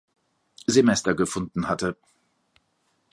Semester gefunden hatte.